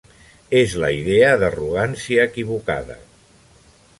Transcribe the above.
És la idea d'arrogància equivocada.